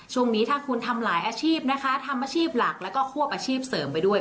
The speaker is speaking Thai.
ช่วงนี้ถ้าคุณทำหลายอาชีพนะคะทำอาชีพหลักแล้วก็ควบอาชีพเสริมไปด้วย